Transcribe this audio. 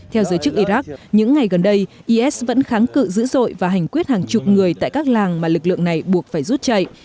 theo giới chức iraq những ngày gần đây is vẫn kháng cự dữ dội và hành quyết hàng chục người tại các làng mà lực lượng này buộc phải rút chạy